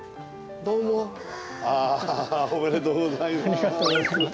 ありがとうございます。